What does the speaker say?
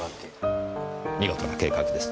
見事な計画です。